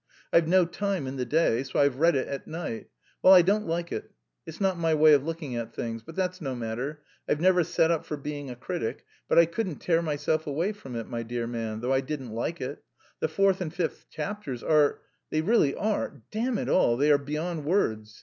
I've no time in the day, so I've read it at night. Well, I don't like it; it's not my way of looking at things. But that's no matter; I've never set up for being a critic, but I couldn't tear myself away from it, my dear man, though I didn't like it! The fourth and fifth chapters are... they really are... damn it all, they are beyond words!